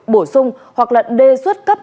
bổ sung hoặc lận đề xuất cấp